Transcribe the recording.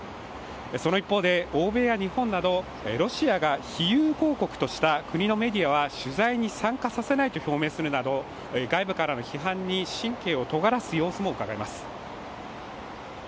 その一方で、欧米や日本などロシアが非友好国とした国のメディアは取材に参加させないと表明するなど外部からの批判に神経を尖らす様子もうかがえます。